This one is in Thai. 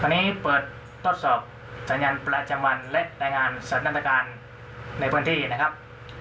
ที่เปิดทดสอบสัญญาณประจำวันและได้งานสัตว์นันตราการในพื้นที่นะครับ